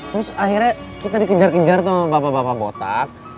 terus akhirnya kita dikejar kejar tuh bapak bapak botak